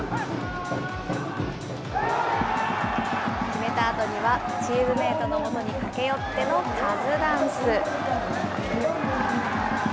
決めたあとには、チームメートのもとに駆け寄ってのカズダンス。